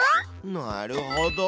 なるほど！